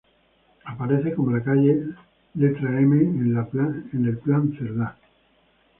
Aparece como la calle letra M en el Plan Cerdá.